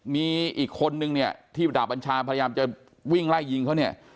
มีอีกคนนึงเนี่ยที่ดาบอัญชาพยายามจะวิ่งไล่ยิงเขาเนี่ย